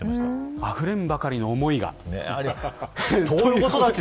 あふれんばかりの思いが。